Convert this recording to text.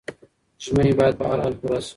ژمنې باید په هر حال پوره شي.